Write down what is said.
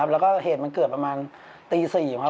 แล้วก็เหตุมันเกิดประมาณตี๔ครับ